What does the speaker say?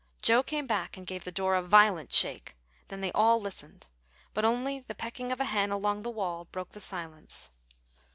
Joe came back and gave the door a violent shake; then they all listened, but only the pecking of a hen along the walk broke the silence.